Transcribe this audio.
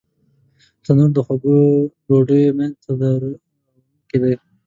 تنور د خوږو ډوډیو مینځ ته راوړونکی دی